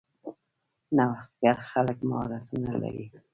نوښتګر خلک مهارتونه لري.